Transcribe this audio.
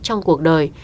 trong cuộc đời